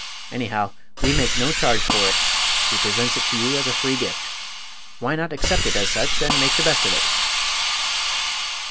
Anyhow, we make no charge for it he presents it to you as a free gift. Why not accept it as such and make the best of it?"